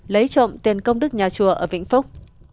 lấy trộm tiền công đức nhà chùa ở vĩnh phúc